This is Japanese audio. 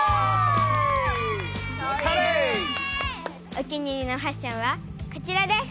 お気に入りのファッションはこちらです。